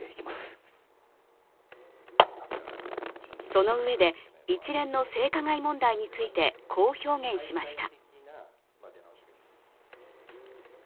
そのうえで一連の性加害問題についてこう表現しました。